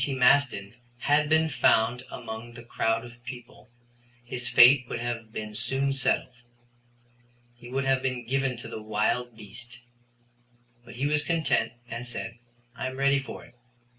T. Maston had been found among the crowd of people, his fate would have been soon settled. He would have been given to the wild beast. But he was content and said: "I am ready for it."